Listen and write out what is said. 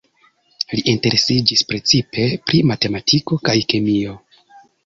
Li interesiĝis precipe pri matematiko kaj kemio.